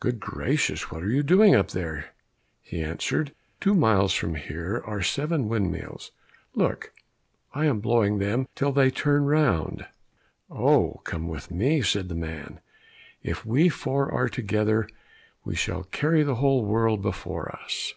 "Good gracious! what are you doing up there?" He answered, "Two miles from here are seven windmills; look, I am blowing them till they turn round." "Oh, come with me," said the man. "If we four are together, we shall carry the whole world before us!"